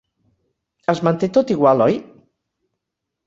Es manté tot igual, oi?